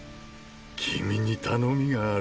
君に頼みがある。